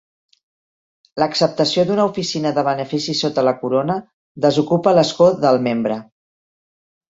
L'acceptació d'una oficina de beneficis sota la Corona desocupa l'escó del membre.